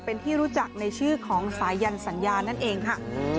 เป็นที่รู้จักในชื่อของสายันสัญญานั่นเองค่ะ